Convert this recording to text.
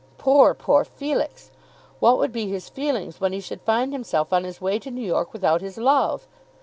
Poor, poor Felix! What would be his feelings when he should find himself on his way to New York without his love!